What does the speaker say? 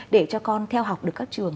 để cho con theo học được các trường